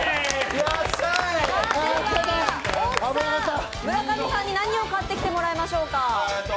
大木さん、村上さんに何を買ってきてもらいましょうか？